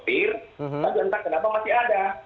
tapi entah kenapa masih ada